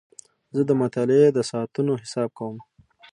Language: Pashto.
زه د مطالعې د ساعتونو حساب کوم.